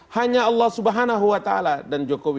hanya allah swt dan jokowi